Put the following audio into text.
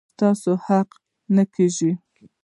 ستا حق نه کيږي.